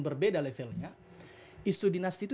berbeda levelnya isu dinasti itu